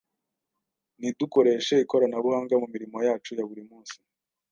Nidukoreshe ikoranabuhanga mu mirimo yacu ya buri munsi